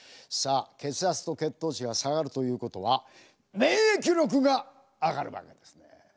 さあ血圧と血糖値が下がるということは免疫力が上がるわけですね。